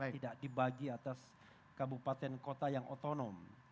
tidak dibagi atas kabupaten kota yang otonom